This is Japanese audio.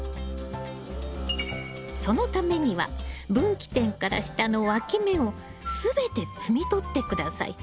そのためには分岐点から下のわき芽を全て摘みとって下さい。